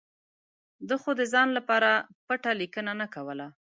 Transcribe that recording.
ده خو د ځان لپاره پټه لیکنه نه کوله.